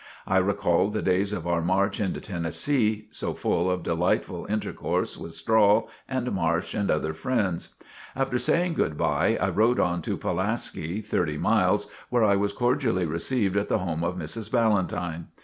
I recalled the days of our march into Tennessee, so full of delightful intercourse with Strahl, and Marsh and other friends. After saying "good bye," I rode on to Pulaski, thirty miles, where I was cordially received at the home of Mrs. Ballentine.